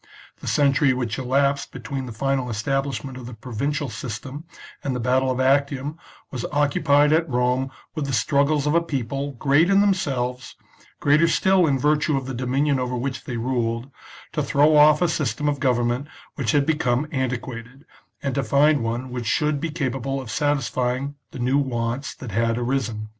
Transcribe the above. The cen tury which elapsed between the final establishment of the provincial system and the battle of Actium was occupied at Rome with the struggles of a people, great in themselves, greater still in virtue of the do minion over which they ruled, to throw off a system of government which had become antiquated, and to find one which should be capable of satisfying the new wants that had arisen.